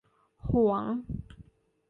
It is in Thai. หวง